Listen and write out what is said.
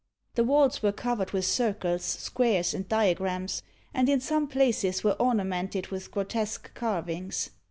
The walls were covered with circles, squares, and diagrams, and in some places were ornamented with grotesque carvings.